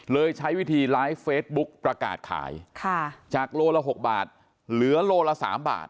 ใช้วิธีไลฟ์เฟซบุ๊คประกาศขายจากโลละ๖บาทเหลือโลละ๓บาท